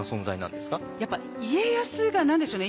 やっぱ家康が何でしょうね